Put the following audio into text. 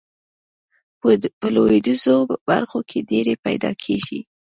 په لویدیځو برخو کې ډیرې پیداکیږي.